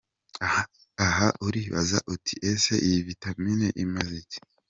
Aha uribaza uti ese iyi vitamine imaze iki?.